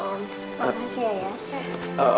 makasih ya yas